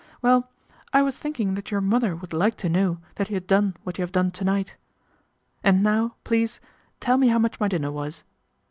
' Well, I was thinking that your mother would like to know that you had done what you have done to night. And now, please, tell me how much my dinner was."